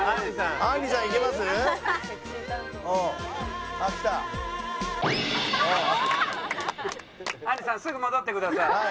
あんりさんすぐ戻ってください。